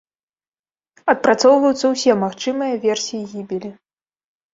Адпрацоўваюцца ўсе магчымыя версіі гібелі.